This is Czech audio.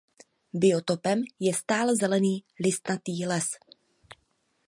Biotopem je stálezelený listnatý les.